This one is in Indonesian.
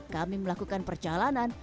kami melakukan perjalanan